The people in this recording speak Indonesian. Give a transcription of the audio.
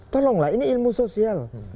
tolonglah ini ilmu sosial